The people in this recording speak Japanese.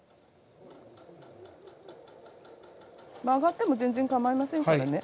曲がっても全然かまいませんからね。